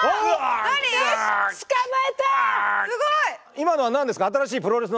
今のは何ですか？